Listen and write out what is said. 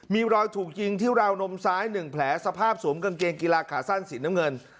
มีรอยถูกยิงที่ราวนมซ้าย๑แผลสภาพสวมกางเกงกีฬาขาสั้นสีน้ำเงิน